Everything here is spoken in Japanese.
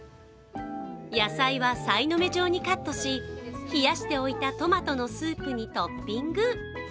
野菜はさいの目状にカットし冷やしておいたトマトのスープにトッピング。